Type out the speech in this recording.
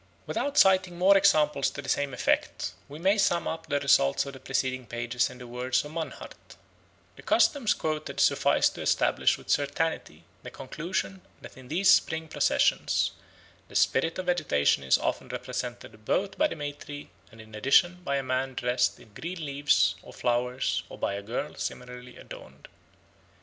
Without citing more examples to the same effect, we may sum up the results of the preceding pages in the words of Mannhardt: "The customs quoted suffice to establish with certainty the conclusion that in these spring processions the spirit of vegetation is often represented both by the May tree and in addition by a man dressed in green leaves or flowers or by a girl similarly adorned.